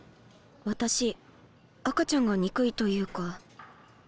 私赤ちゃんが憎いというか。